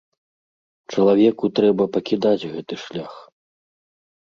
Чалавеку трэба пакідаць гэты шлях.